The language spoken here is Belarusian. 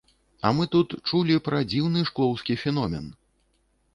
А мы тут чулі пра дзіўны шклоўскі феномен.